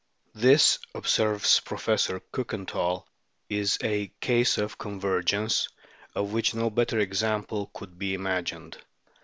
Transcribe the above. "This," observes Prof. Kiikenthal, "is a case of convergence, of which no better example could be imagined."